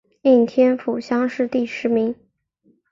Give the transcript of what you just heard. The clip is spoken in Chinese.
应天府乡试第十名。